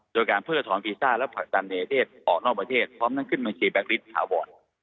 โดยการเพิ่มกระถอมฟีซ่าและผักตันในเทศออกนอกประเทศพร้อมนั่งขึ้นมาเชฟแบ็คลิสต์ขาวบอล